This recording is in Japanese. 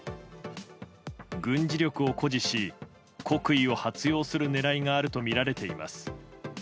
軍事力を誇示し、国威を発揚する狙いがあるとみられています。